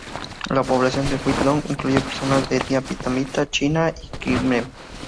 La población de Vinh Long incluye personas de etnia vietnamita, china y khmer.